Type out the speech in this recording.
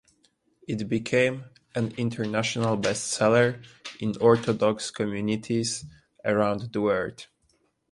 It became an international bestseller in orthodox communities around the world.